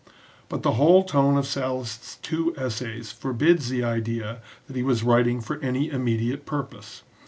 But the whole tone of Sallust's two essays forbids the idea that he was writing for any immediate purpose.